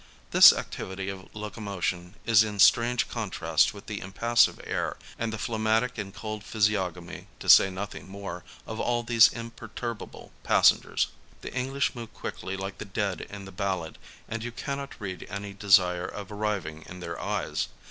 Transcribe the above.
This activity of loco motion is in strange contrast with the impassive air, and the phlegmatic and cold physiognomy, to say nothing more, of all these imperturbable passengers. The English move quickly like the dead in the ballad and you cannot read any desire of arriving in their eyes.